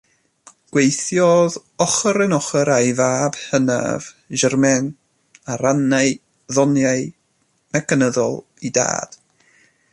Gweithiodd ochr yn ochr â'i fab hynaf, Germain, a rannai ddoniau mecanyddol ei dad.